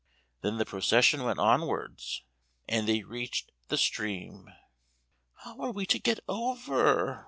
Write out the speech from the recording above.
Then the procession went onwards, and they reached the stream. "How are we to get over?"